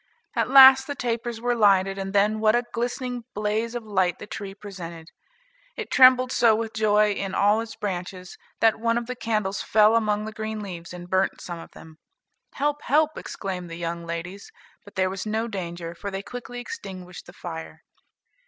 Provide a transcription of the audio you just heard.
At last the tapers were lighted, and then what a glistening blaze of light the tree presented! It trembled so with joy in all its branches, that one of the candles fell among the green leaves and burnt some of them. "Help! help!" exclaimed the young ladies, but there was no danger, for they quickly extinguished the fire.